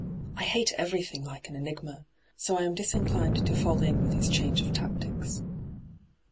I hate everything like an enigma I So I am disinclined to fall in with his change of tactics.'